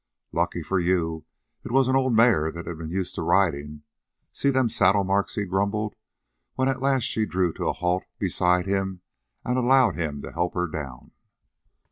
"Lucky for you it was an old mare that had been used to ridin' see them saddle marks," he grumbled, when she at last drew to a halt beside him and allowed him to help her down.